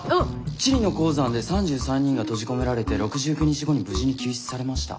チリの鉱山で３３人が閉じ込められて６９日後に無事に救出されました。